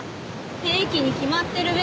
兵器に決まってるべ。